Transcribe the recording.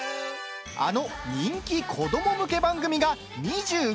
あの人気子ども向け番組が２５周年！